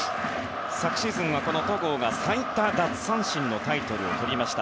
昨シーズンは戸郷が最多奪三振のタイトルをとりました。